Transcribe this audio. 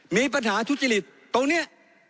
มีปัญหาทุจริตตรงนี้